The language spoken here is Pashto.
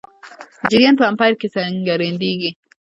جریان په امپیر کې څرګندېږي.